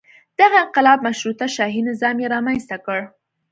دغه انقلاب مشروطه شاهي نظام یې رامنځته کړ.